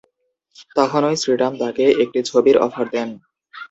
তখনই শ্রীরাম তাকে একটি ছবির অফার দেন।